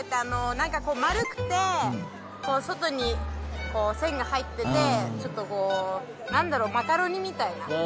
なんかこう丸くて外に線が入っててちょっとこうなんだろうマカロニみたいな。